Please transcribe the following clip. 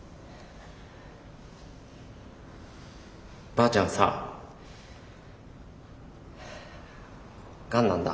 ばあちゃんさがんなんだ。